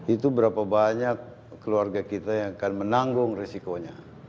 itu berapa banyak keluarga kita yang akan menanggung resikonya